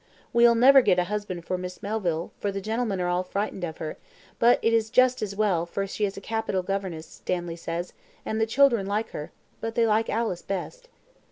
We'll never get a husband for Miss Melville, for the gentlemen are all frightened of her; but it is just as well, for she is a capital governess, Stanley says, and the children like her but they like Alice best."